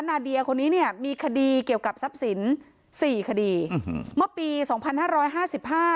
นาเดียคนนี้เนี่ยมีคดีเกี่ยวกับทรัพย์สินสี่คดีอืมเมื่อปีสองพันห้าร้อยห้าสิบห้า